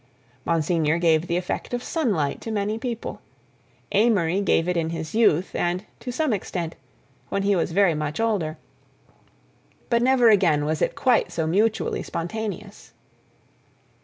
Monsignor gave the effect of sunlight to many people; Amory gave it in his youth and, to some extent, when he was very much older, but never again was it quite so mutually spontaneous.